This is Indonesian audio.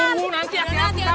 bung bung mengapa kau ketidak